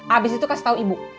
abis itu kasih tahu ibu